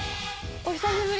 お久しぶり。